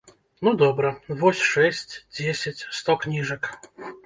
Ну, добра, вось шэсць, дзесяць, сто кніжак.